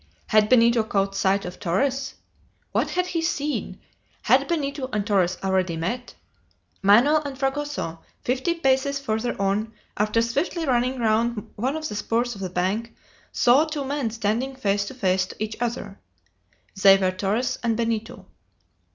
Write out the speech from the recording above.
Had Benito caught sight of Torres? What had he seen? Had Benito and Torres already met? Manoel and Fragoso, fifty paces further on, after swiftly running round one of the spurs of the bank, saw two men standing face to face to each other. They were Torres and Benito.